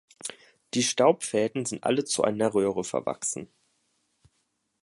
Die Staubfäden sind alle zu einer Röhre verwachsen.